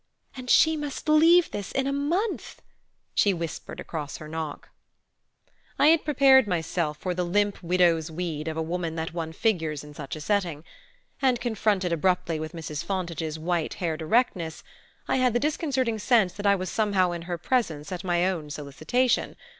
"And she must leave this in a month!" she whispered across her knock. I had prepared myself for the limp widow's weed of a woman that one figures in such a setting; and confronted abruptly with Mrs. Fontage's white haired erectness I had the disconcerting sense that I was somehow in her presence at my own solicitation.